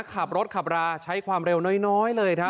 ขับรถขับราใช้ความเร็วน้อยเลยครับ